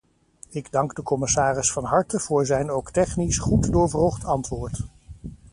Ik dank de commissaris van harte voor zijn ook technisch goed doorwrocht antwoord.